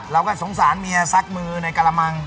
เราก็สงสารเมียซักมือในกระมัง